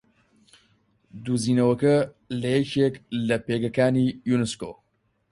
دوزینەوەکە لە یەکێک لە پێگەکانی یوونسکۆ